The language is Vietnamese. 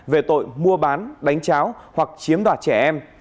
về tội mua bán đánh cháo hoặc chiếm đoạt trẻ em